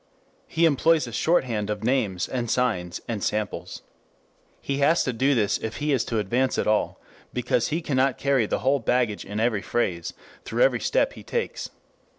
He employs a shorthand of names and signs and samples. He has to do this if he is to advance at all, because he cannot carry the whole baggage in every phrase through every step he takes.